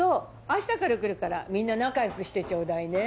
明日から来るからみんな仲良くしてちょうだいね。